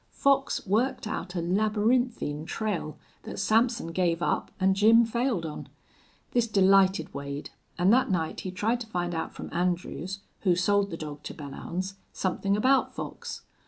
Fox worked out a labyrinthine trail that Sampson gave up and Jim failed on. This delighted Wade, and that night he tried to find out from Andrews, who sold the dog to Belllounds, something about Fox.